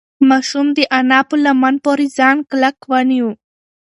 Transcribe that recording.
ماشوم د انا په لمن پورې ځان کلک ونیو.